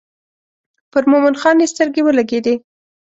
پر مومن خان یې سترګې ولګېدې.